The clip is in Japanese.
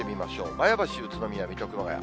前橋、宇都宮、水戸、熊谷。